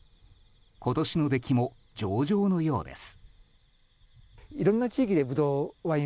今年の出来も上々のようです。